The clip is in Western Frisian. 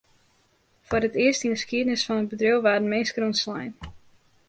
Foar it earst yn 'e skiednis fan it bedriuw waarden minsken ûntslein.